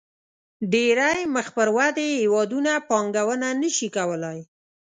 ډېری مخ پر ودې هېوادونه پانګونه نه شي کولای.